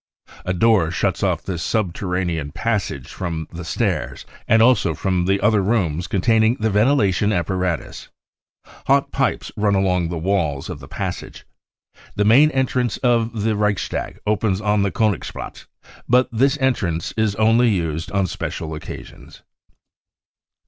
A door shuts off this subterranean passage from the stairs and also from the other rooms containing the ventilation apparatus. Hot 1 64 BROWN BOOK OF THE HITLER TERROR pipes run*along the wails of the passage. The main en trance to the Reichstag opens on the Koenigsplatz, but this entrance is only used on special occasions.